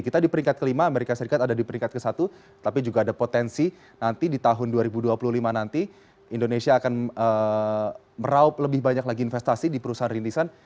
kita di peringkat kelima amerika serikat ada di peringkat ke satu tapi juga ada potensi nanti di tahun dua ribu dua puluh lima nanti indonesia akan meraup lebih banyak lagi investasi di perusahaan rintisan